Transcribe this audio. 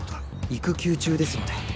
育休中ですので。